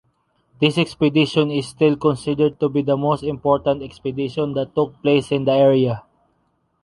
This expedition is still considered to be the most important expedition that took place in the area.